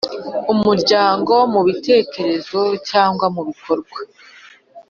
Umuryango mu bitekerezo cyangwa mu bikorwa